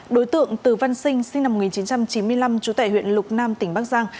đối tượng từ văn sinh sinh năm một nghìn chín trăm chín mươi năm trú tại huyện lục nam tỉnh bắc giang